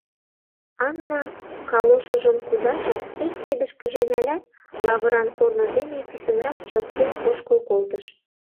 Анна, калошыжым кудашын, ик кидышкыже налят, лавыран корно дене писынрак чопкен ошкыл колтыш.